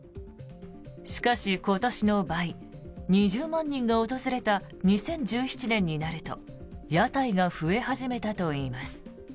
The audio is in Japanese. しかし、今年の倍２０万人が訪れた２０１７年になると屋台が増え始めたといいます。